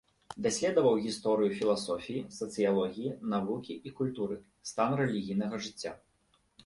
Даследаваў гісторыю філасофіі, сацыялогіі, навукі і культуры, стан рэлігійнага жыцця.